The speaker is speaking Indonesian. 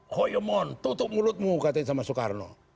koyomon tutup mulutmu katain sama soekarno